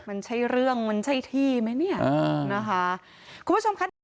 มันใช้เรื่องมันใช้ที่ไหมเนี่ยอ่านะคะคุณผู้ชมค่ะ